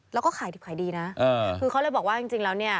แล้วก็ขายดีนะคือเขาเลยบอกว่าจริงแล้วเนี่ย